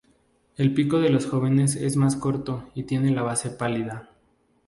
El pico de los jóvenes es más corto y tiene la base pálida.